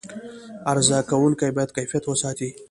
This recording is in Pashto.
عرضه کوونکي باید کیفیت وساتي.